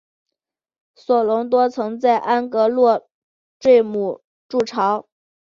索隆多曾在安戈洛坠姆筑巢。